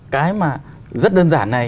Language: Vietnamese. cái mà rất đơn giản này